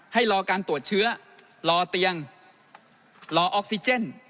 ให้รอการตรวจเชื้อรอเตียงรอออกซิเจน